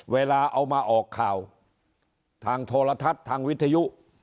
เวลาเอามาออกข่าวทางโทรทัศน์ทางวิทยุ